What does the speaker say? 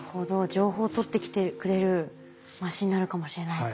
情報を取ってきてくれるマシンになるかもしれないと。